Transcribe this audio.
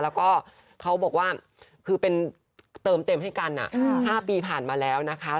แล้วก็เขาบอกว่าคือเป็นเติมเต็มให้กัน๕ปีผ่านมาแล้วนะคะ